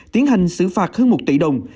tiến hành xử phạt hơn một tỷ đồng